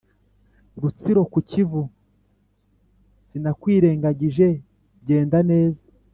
rutsiro ku kivu sinakwirengagije genda neza